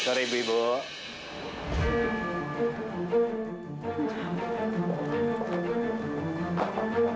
kamu tuh kebohongan